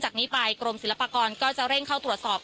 จากนี้ไปกรมศิลปากรก็จะเร่งเข้าตรวจสอบ